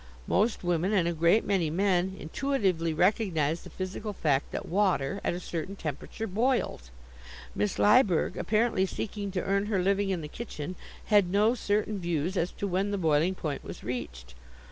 Most women, and a great many men, intuitively recognize the physical fact that water, at a certain temperature, boils. Miss Lyberg, apparently seeking to earn her living in the kitchen, had no certain views as to when the boiling point was reached.